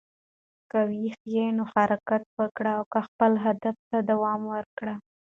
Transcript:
که ویښ یې، نو حرکت وکړه او خپلې هدف ته دوام ورکړه.